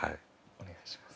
お願いします。